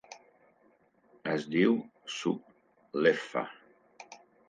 Es diu Sub Leffa.